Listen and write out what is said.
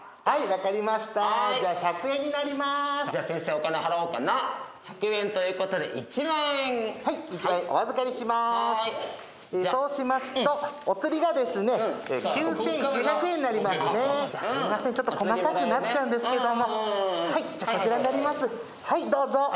はいどうぞ。